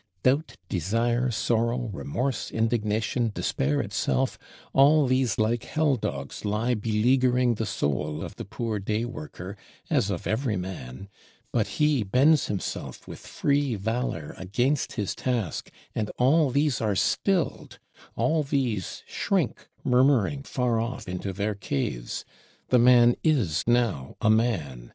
Doubt, Desire, Sorrow, Remorse, Indignation, Despair itself, all these like hell dogs lie beleaguering the soul of the poor day worker, as of every man: but he bends himself with free valor against his task, and all these are stilled, all these shrink murmuring far off into their caves. The man is now a man.